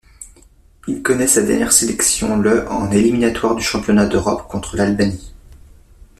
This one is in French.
Il connaît sa dernière sélection le en éliminatoires du Championnat d'Europe contre l'Albanie.